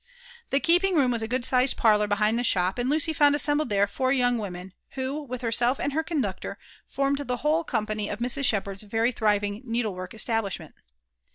The keeping room was a good sized parlour behind the shop ; and Lucy found assembled there four young women, who, with herself and her conductor, formed the whole company of Mrs. Shepherd's very thriving needlework establishment.